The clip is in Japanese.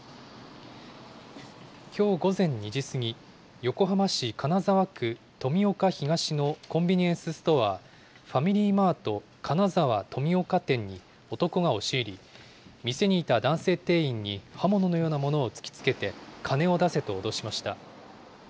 きょう午前２時過ぎ、横浜市金沢区富岡東のコンビニエンスストア、ファミリーマート金沢富岡店に男が押し入り、店にいた男性店員に刃物のようなものを突きつけて金を出せと脅しました。